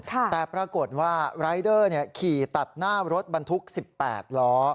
แต่ปรากฏว่ารายเดอร์ขี่ตัดหน้ารถบรรทุก๑๘ล้อ